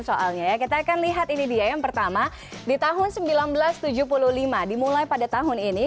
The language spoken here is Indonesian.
soalnya ya kita akan lihat ini dia yang pertama di tahun seribu sembilan ratus tujuh puluh lima dimulai pada tahun ini